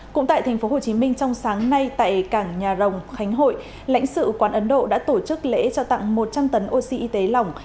cũng tại tp hcm trong sáng nay tại cảng nhà rồng khánh hội lãnh sự quán ấn độ đã tổ chức lễ trao tặng một trăm linh tấn oxy y tế lỏng